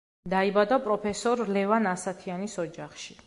დაიბადა პროფესორ ლევან ასათიანის ოჯახში.